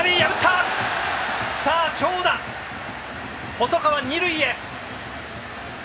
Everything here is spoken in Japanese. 細川、二塁へ。